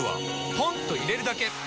ポンと入れるだけ！